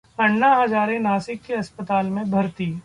अन्ना हजारे नासिक के अस्पताल में भर्ती